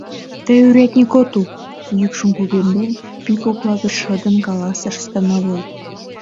— Тый урядник отыл! — йӱкшым кугемден, пӱй кокла гыч шыдын каласыш становой.